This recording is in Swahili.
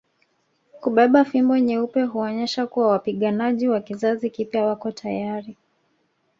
Kubeba fimbo nyeupe huonyesha kuwa wapiganaji wa kizazi kipya wako tayari